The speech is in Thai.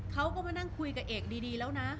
เขาก็มานั่งคุยกับเอกดีแล้วนะ